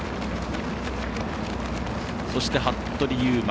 そして、服部勇馬。